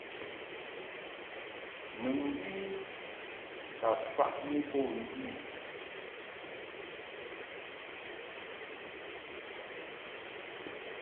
Mɨŋgwi ka faʼni bo ndu i.